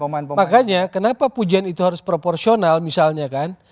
makanya kenapa pujian itu harus proporsional misalnya kan